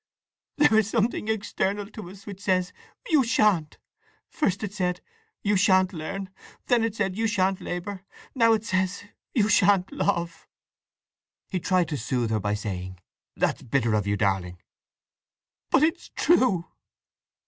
"There is something external to us which says, 'You shan't!' First it said, 'You shan't learn!' Then it said, 'You shan't labour!' Now it says, 'You shan't love!'" He tried to soothe her by saying, "That's bitter of you, darling." "But it's true!"